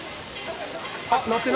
あっ、鳴ってる？